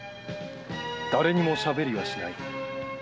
「誰にもしゃべりはしない」